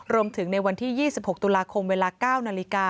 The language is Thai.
รวมถึงในวันที่๒๖ตุลาคมเวลา๙นาฬิกา